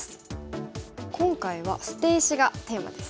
今回は捨て石がテーマですね。